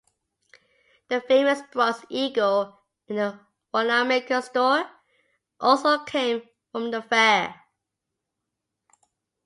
The famous Bronze Eagle in the Wanamaker Store also came from the Fair.